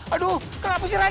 aduh kenapa sih raden